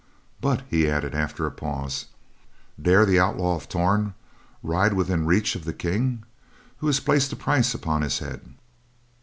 But," he added, after a pause, "dare the Outlaw of Torn ride within reach of the King who has placed a price upon his head?"